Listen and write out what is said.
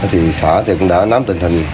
thì xã cũng đã nắm tình hình